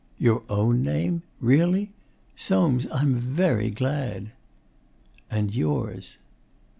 'Your own name? Really? Soames, I'm VERY glad.' 'And yours.